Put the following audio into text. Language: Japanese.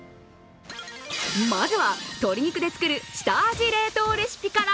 まずは鶏肉で作る下味冷凍レシピから。